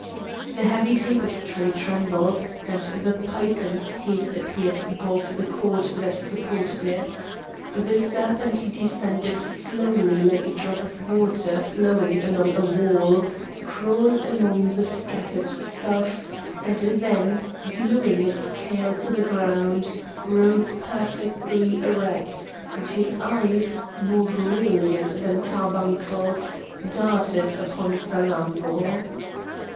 The heavy tapestry trembled, and the python's head appeared above the cord that supported it. The serpent descended slowly like a drop of water flowing along a wall, crawled among the scattered stuffs, and then, gluing its tail to the ground, rose perfectly erect; and his eyes, more brilliant than carbuncles, darted upon Salammbô.